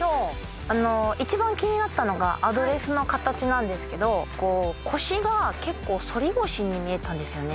いちばん気になったのがアドレスの形なんですけどこう腰が結構反り腰に見えたんですよね。